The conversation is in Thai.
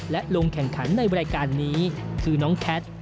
และลงแข่งขันในรายการนี้คือน้องแคท